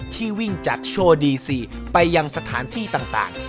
ที่วิ่งจากโชว์ดีซีไปยังสถานที่ต่าง